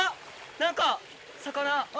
何か魚。